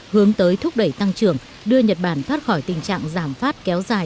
hướng tới thúc đẩy tăng trưởng đưa nhật bản thoát khỏi tình trạng giảm phát kéo dài